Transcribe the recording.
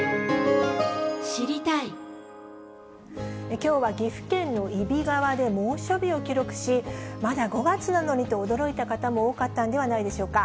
きょうは岐阜県の揖斐川で猛暑日を記録し、まだ５月なのにと驚いた方も多かったんではないでしょうか。